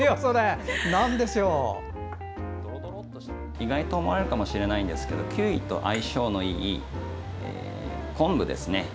意外と思われるかもしれないんですけどキウイと相性のいい昆布ですね。